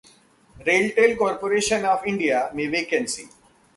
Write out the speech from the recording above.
RailTel corporation of India में vacancy